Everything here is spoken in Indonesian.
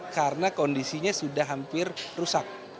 karena kondisinya sudah hampir rusak